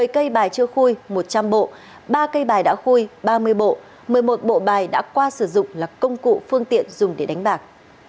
một mươi cây bài chưa khôi một trăm linh bộ ba cây bài đã khui ba mươi bộ một mươi một bộ bài đã qua sử dụng là công cụ phương tiện dùng để đánh bạc